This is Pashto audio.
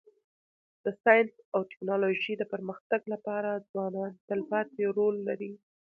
د ساینس او ټکنالوژۍ د پرمختګ لپاره ځوانان تلپاتی رول لري.